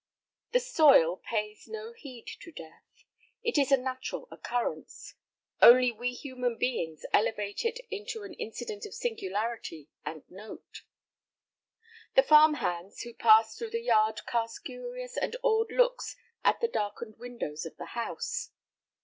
The soil pays no heed to death; it is a natural occurrence; only we human beings elevate it into an incident of singularity and note. The farm hands who passed through the yard cast curious and awed looks at the darkened windows of the house.